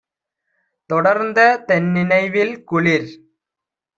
தொடர்ந்த தென்நினைவில்! - குளிர்